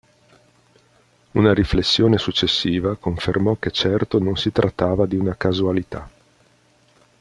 Una riflessione successiva confermò che certo non si trattava di una casualità.